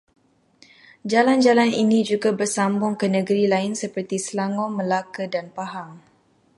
Jalan-jalan ini juga bersambung ke negeri lain seperti Selangor, Melaka dan Pahang